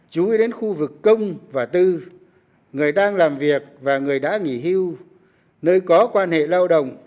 chú ý đến khu vực công và tư người đang làm việc và người đã nghỉ hưu nơi có quan hệ lao động